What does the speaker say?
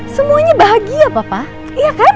semuanya bahagia papa iya kan